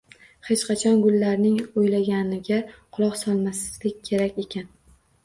Hech qachon gullarning o'ylaganiga quloq solmaslik kerak ekan